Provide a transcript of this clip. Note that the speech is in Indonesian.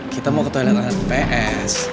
kita mau ke toilet anak ips